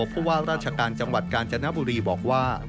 ผู้ว่าราชการจังหวัดกาญจนบุรีบอกว่า